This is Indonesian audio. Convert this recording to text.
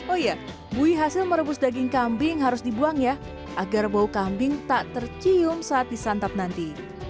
oh iya buih hasil merebus daging kambing harus dibuang ya agar bau kambing tak tercium saat disantap nanti